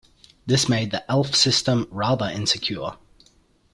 This made the Aleph system rather insecure.